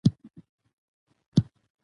په افغانستان کې تنوع ډېر اهمیت لري.